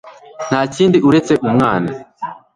Nta kindi uretse umwana